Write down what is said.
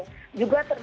jadi itu sangat penting